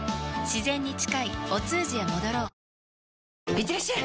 いってらっしゃい！